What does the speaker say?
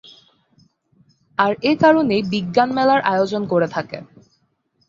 আর এ কারনেই বিজ্ঞান মেলার আয়োজন করে থাকে।